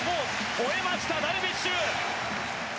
ほえました、ダルビッシュ。